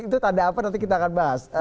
itu tanda apa nanti kita akan bahas